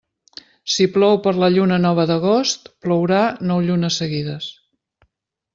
Si plou per la lluna nova d'agost, plourà nou llunes seguides.